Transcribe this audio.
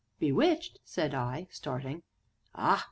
"Bewitched!" said I, starting. "Ah!